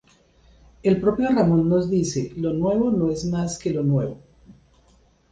El propio Ramón nos dice: "Lo nuevo no es más que lo nuevo.